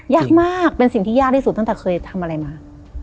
ยากมากเป็นสิ่งที่ยากที่สุดตั้งแต่เคยทำอะไรมา